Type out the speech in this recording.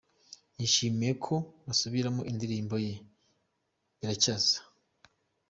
yishimiye ko basubiramo indirimbo ye “Biracyaza”